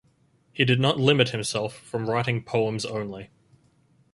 He did not limit himself from writing poems only.